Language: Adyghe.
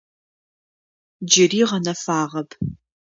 Джыри гъэнэфагъэп.